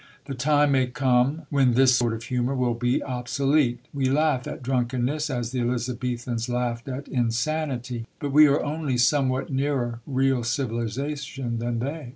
The time may come when this sort of humour will be obsolete. We laugh at drunkenness, as the Elizabethans laughed at insanity, but we are only somewhat nearer real civilisation than they.